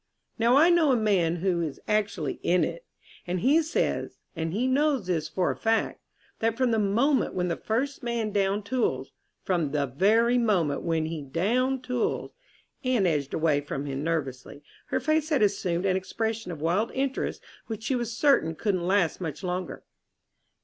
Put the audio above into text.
Now I know a man who is actually in it, and he says and he knows this for a fact that from the moment when the first man downed tools from the very moment when he downed tools..." Anne edged away from him nervously. Her face had assumed an expression of wild interest which she was certain couldn't last much longer.